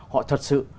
họ thật sự